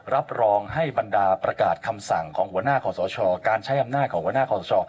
รับรองให้บรรดาประกาศคำสั่งของหัวหน้าขอสชการใช้อำนาจของหัวหน้าขอสช